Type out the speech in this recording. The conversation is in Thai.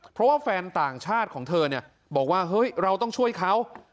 เพราะว่าแฟนต่างชาติของเธอเนี่ยบอกว่าเฮ้ยเราต้องช่วยเขา